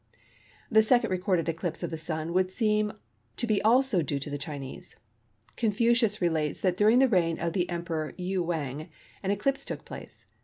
The second recorded eclipse of the Sun would seem to be also due to the Chinese. Confucius relates that during the reign of the Emperor Yew Wang an eclipse took place.